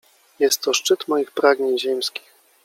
Jest to szczyt moich pragnień ziemskich.